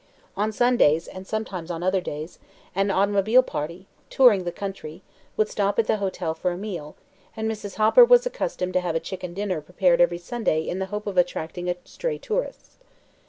On Sundays and sometimes on other days an automobile party, touring the country, would stop at the hotel for a meal, and Mrs. Hopper was accustomed to have a chicken dinner prepared every Sunday in the hope of attracting a stray tourist.